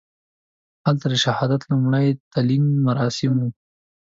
هلته د شهادت لومړي تلین مراسم وو.